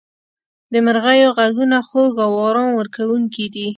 • د مرغیو ږغونه خوږ او آرام ورکوونکي دي.